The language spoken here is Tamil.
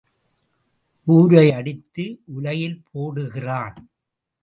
ஊரை அடித்து உலையில் போடுகிறான்.